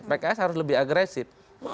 pks harus lebih agresif